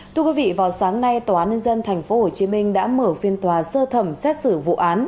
thưa quý vị vào sáng nay tòa án nhân dân tp hcm đã mở phiên tòa sơ thẩm xét xử vụ án